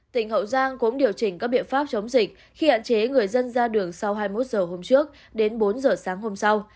tỉnh hậu giang cũng điều chỉnh các biện pháp chống dịch khi hạn chế người dân ra đường sau hai mươi một h hôm trước đến bốn h sáng hôm sau